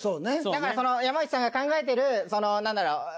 だから山内さんが考えてる何だろう